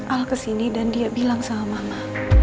al kesini dan dia bilang sama mama